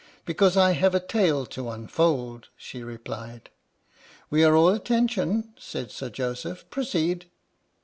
" Because I have a tale to unfold," she replied. " We are all attention," said Sir Joseph. " Pro ceed."